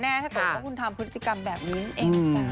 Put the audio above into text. ถ้าเกิดว่าคุณทำพฤติกรรมแบบนี้นั่นเองนะจ๊ะ